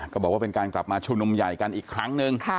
บอกว่าเป็นการกลับมาชุมนุมใหญ่กันอีกครั้งหนึ่ง